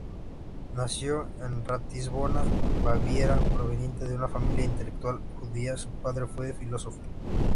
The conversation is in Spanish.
Nació en Ratisbona, Baviera, proveniente de una familia intelectual judía, su padre fue filósofo.